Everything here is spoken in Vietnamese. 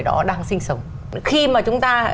đó đang sinh sống khi mà chúng ta